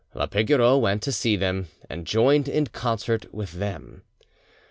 La Pigoreau went to see them, and joined in concert with them.